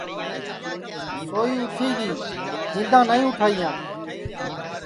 سوئی اُٹھی گی کھیندا نائی اُٹھائیاں